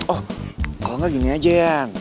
oh kalo gak gini aja yan